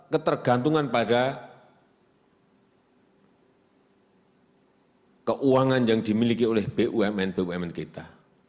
ketergantungan pada keuangan yang dimiliki oleh bumn bumn kita